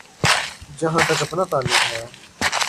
جہاں تک اپنا تعلق ہے۔